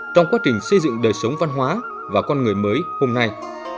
trong quá trình xây dựng đời sống văn hóa và con người mới hôm nay